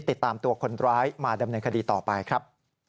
ติดตามตัวคนร้ายมาดำเนินคดีต่อไปครับ